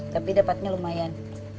tapi dapatnya lumayan